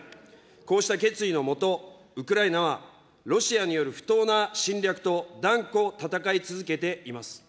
こうした決意のもと、ウクライナはロシアによる不当な侵略と断固戦い続けています。